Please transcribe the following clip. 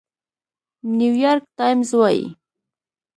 نيويارک ټايمز وايي،